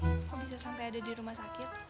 kok bisa sampai ada di rumah sakit